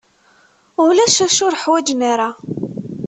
Ulac acu ur ḥwaǧen ara.